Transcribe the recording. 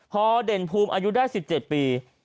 พอเด่นภูมิอายุได้๑๗ปี